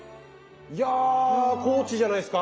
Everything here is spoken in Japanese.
いや高知じゃないっすか？